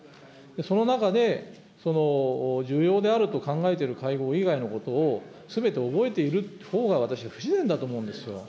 その中で、重要であると考えている会合以外のことをすべて覚えているほうが、私は不自然だと思うんですよ。